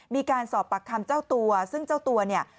มีการสอบปากคำเจ้าตัวซึ่งเจ้าตัวเนี่ย